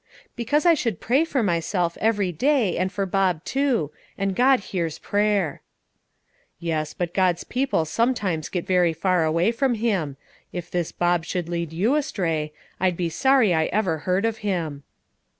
"Because I should pray for myself every day, and for Bob too; and God hears prayer." "Yes, but God's people sometimes get very far away from Him; if this Bob should lead you astray, I'd be sorry I ever heard of him."